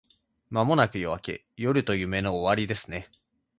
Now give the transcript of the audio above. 間もなく夜明け…夜と夢の終わりですね